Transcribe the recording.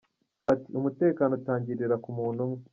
Ati « Umutekano utangirira ku muntu ubwe.